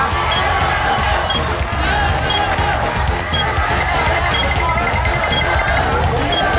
ไปเลย